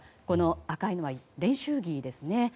赤いのは練習着ですね。